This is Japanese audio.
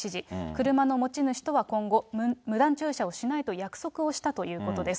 車の持ち主とは今後、無断駐車をしないと約束をしたということです。